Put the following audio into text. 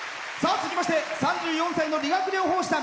続きまして３４歳の理学療法士さん。